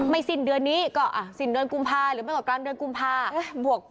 ไม่สินเดือนนี้ก็สินเดือนกุมภาพันธุ์หรือไม่กว่ากลางเดือนกุมภาพันธุ์